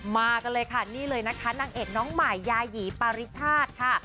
มากันเลยค่ะนี่เลยนะคะนางเอกน้องใหม่ยาหยีปาริชาติค่ะ